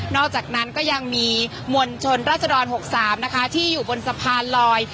อกจากนั้นก็ยังมีมวลชนราชดร๖๓นะคะที่อยู่บนสะพานลอย